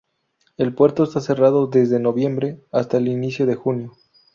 El puerto está cerrado desde noviembre hasta el inicio de junio.